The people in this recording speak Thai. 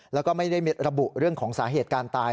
แล้วก็ไม่ได้ระบุเรื่องของสาเหตุการตาย